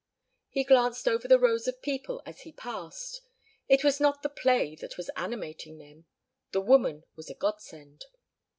He glanced over the rows of people as he passed. It was not the play that was animating them. The woman was a godsend.